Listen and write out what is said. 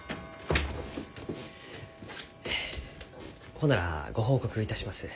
ほんならご報告いたします。